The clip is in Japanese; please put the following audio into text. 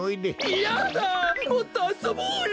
いやだもっとあそぼうよ。